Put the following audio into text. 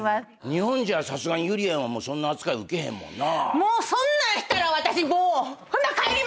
日本じゃさすがにゆりやんはそんな扱い受けへんもんな。